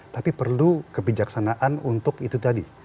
tapi perlu kebijaksanaan untuk itu tadi